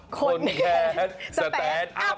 คนแคร์สแตนอัพ